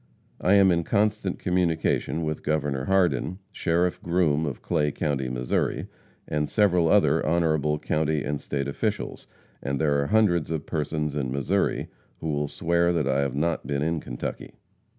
I am in constant communication with Governor Hardin, Sheriff Groom, of Clay county, Mo., and several other honorable county and state officials, and there are hundreds of persons in Missouri who will swear that I have not been in Kentucky.